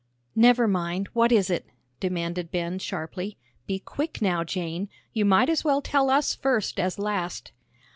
"Never mind, what is it?" demanded Ben, sharply. "Be quick now, Jane; you might as well tell us first as last."